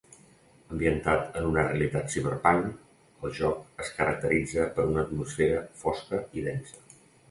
Ambientat en una realitat ciberpunk, el joc es caracteritza per una atmosfera fosca i densa.